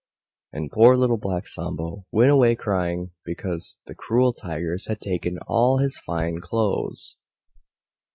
And poor Little Black Sambo went away crying, because the cruel Tigers had taken all his fine clothes.